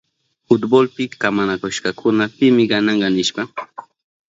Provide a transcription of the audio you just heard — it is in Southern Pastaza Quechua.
Fultbolpi kamanakushkakuna pimi gananka nishpa.